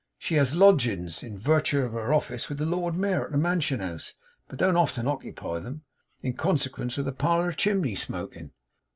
She HAS lodgings, in virtue of her office, with the Lord Mayor at the Mansion House; but don't often occupy them, in consequence of the parlour chimney smoking.